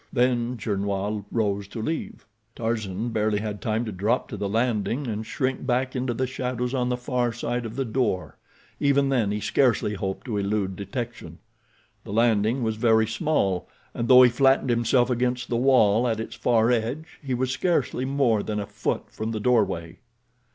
Then Gernois rose to leave. Tarzan barely had time to drop to the landing and shrink back into the shadows on the far side of the door. Even then he scarcely hoped to elude detection. The landing was very small, and though he flattened himself against the wall at its far edge he was scarcely more than a foot from the doorway.